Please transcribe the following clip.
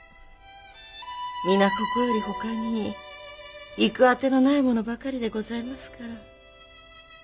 みなここよりほかに行くあてのない者ばかりでございますから。